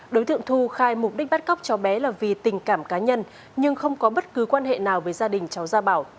đối tượng thu khai mục đích bắt cóc cháu bé là vì tình cảm cá nhân nhưng không có bất cứ quan hệ nào với gia đình cháu gia bảo